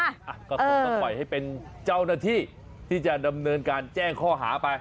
อ่ะก็คงต้องปล่อยให้เป็นเจ้าหน้าที่ที่จะดำเนินการแจ้งข้อหาไป